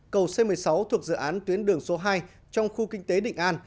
cầu c một mươi sáu thuộc dự án tuyến đường số hai trong khu kinh tế định an